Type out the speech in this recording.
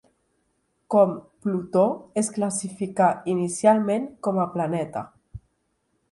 Com Plutó es classificà inicialment com a planeta.